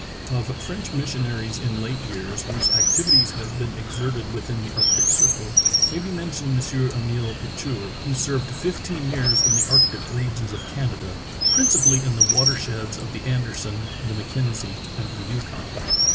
Of French missionaries in late 295 296 True Tales of Arctic Heroism years whose activities have been exerted within the arctic circle may be mentioned M. Emile Petitot, who served fifteen years in the arctic regions of Canada, principally in the water sheds of the Anderson, the Mac kenzie, and the Yukon.